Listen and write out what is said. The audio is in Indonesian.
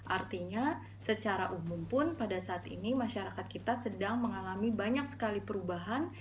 artinya secara umum pun pada saat ini masyarakat kita sedang mengalami banyak sekali perubahan